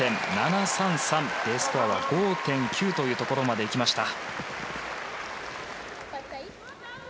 Ｄスコアは５．９というところまでいきました。